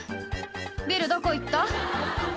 ビルどこ行った？」